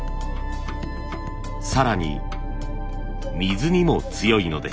更に水にも強いのです。